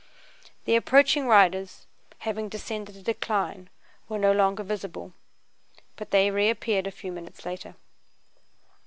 The approaching riders having descended a decline were no longer visible, but they reappeared a few minutes later.